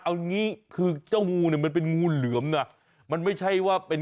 เอางี้คือเจ้างูเนี่ยมันเป็นงูเหลือมนะมันไม่ใช่ว่าเป็น